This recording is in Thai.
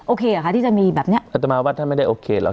เหรอคะที่จะมีแบบเนี้ยอัตมาวัดท่านไม่ได้โอเคหรอก